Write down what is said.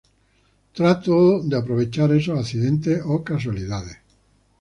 Trato de aprovechar esos accidentes o casualidades.